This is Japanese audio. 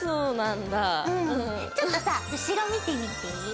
ちょっとさ後ろ見てみて。